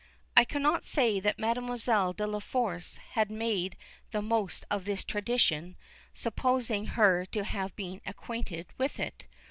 " I cannot say that Mademoiselle de la Force has made the most of this tradition, supposing her to have been acquainted with it.